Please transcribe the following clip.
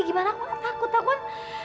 gimana aku takut takut